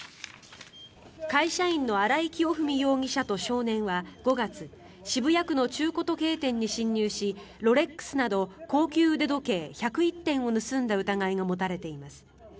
会社員の荒井清文容疑者と少年は５月渋谷区の中古時計店に侵入しロレックスなど高級腕時計１０１点を盗んだ疑いが持たれています。